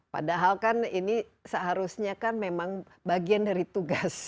padahal kan ini seharusnya kan memang bagian dari tugas